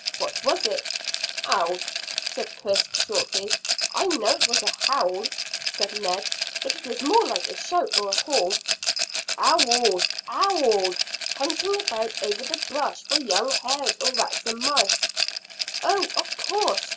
"What was it?" "Owl," said Chris shortly. "I know it was a howl," said Ned, "but it was more like a shout or hail." "Owl, owl, hunting about over the brush for young hares or rats and mice." "Oh, of course.